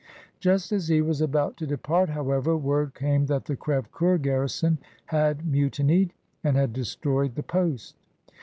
Just as he was about to depart, however, word came that the Crfevecoeur garrison had mutinied and had destroyed the post.